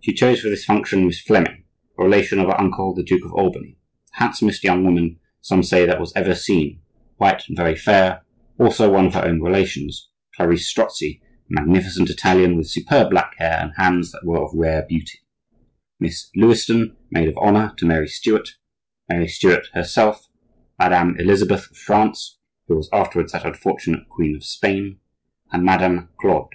She chose for this function Miss Fleming, a relation of her uncle the Duke of Albany, the handsomest young woman, some say, that was ever seen, white and very fair; also one of her own relations, Clarice Strozzi, a magnificent Italian with superb black hair, and hands that were of rare beauty; Miss Lewiston, maid of honor to Mary Stuart; Mary Stuart herself; Madame Elizabeth of France (who was afterwards that unfortunate Queen of Spain); and Madame Claude.